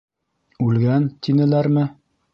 Үлгән... тинеләрме?